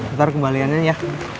ntar kembaliannya ya